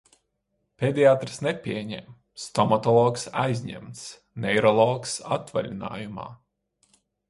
Pediatrs nepieņem. Stomatologs aizņemts. Neirologs atvaļinājumā.